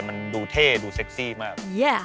มันดูเท่ดูเซ็กซี่มาก